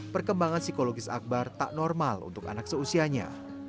perkembangan psikologis akbar tak normal untuk anak seusianya